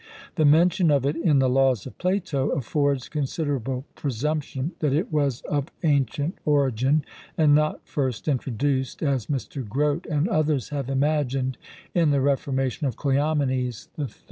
The mention of it in the Laws of Plato affords considerable presumption that it was of ancient origin, and not first introduced, as Mr. Grote and others have imagined, in the reformation of Cleomenes III.